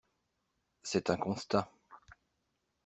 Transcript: C’est un constat.